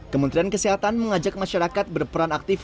kementerian kesehatan mengajak masyarakat berperan aktif